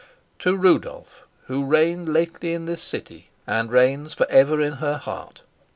"To Rudolf, who reigned lately in this city, and reigns for ever in her heart.